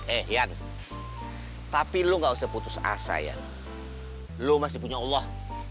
eh yan tapi lu nggak usah putus asa yan lu masih punya allah